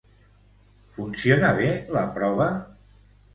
Funciona bé la prova?